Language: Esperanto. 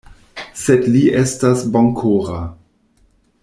Sed li estas bonkora.